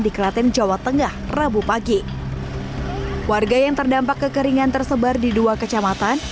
di kelaten jawa tengah rabu pagi warga yang terdampak kekeringan tersebar di dua kecamatan